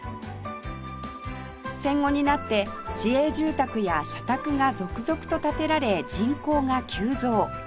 戦後になって市営住宅や社宅が続々と建てられ人口が急増